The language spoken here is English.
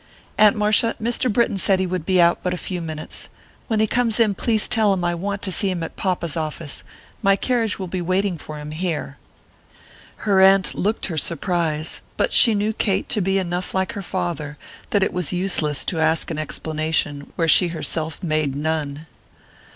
"Aunt Marcia, Mr. Britton said he would be out but a few minutes. When he comes in please tell him I want to see him at papa's office; my carriage will be waiting for him here." Her aunt looked her surprise, but she knew Kate to be enough like her father that it was useless to ask an explanation where she herself made none.